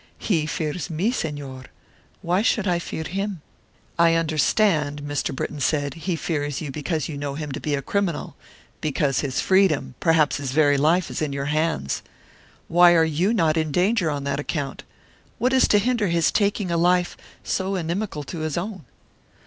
"He fears me, Señor; why should I fear him?" "I understand," Mr. Britton said; "he fears you because you know him to be a criminal; because his freedom perhaps his very life is in your hands. Why are you not in danger on that account? What is to hinder his taking a life so inimical to his own?"